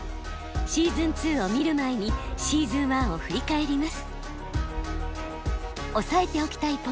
シーズン２を見る前にシーズン１を振り返ります。